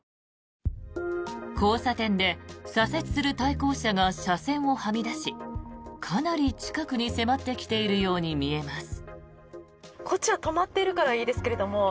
交差点で左折する対向車が車線をはみ出しかなり近くに迫ってきているように見えます。